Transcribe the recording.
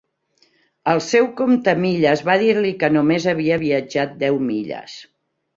El seu comptamilles va dir-li que només havia viatjat deu milles.